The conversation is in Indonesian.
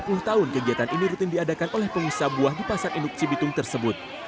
selama sepuluh tahun kegiatan ini rutin diadakan oleh pengusaha buah di pasar induk cibitung tersebut